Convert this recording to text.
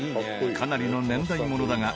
かなりの年代ものだが